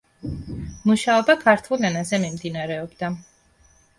მუშაობა ქართულ ენაზე მიმდინარეობდა.